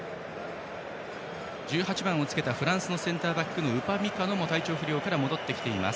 １８番をつけたフランスのセンターバックのウパミカノも体調不良から戻ってきています。